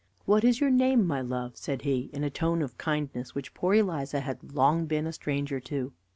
"What is your name, my love?" said he, in a tone of kindness which poor Eliza had long been a stranger to.